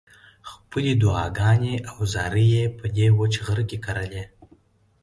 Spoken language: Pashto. خپلې دعاګانې او زارۍ یې په دې وچ غره کې کرلې.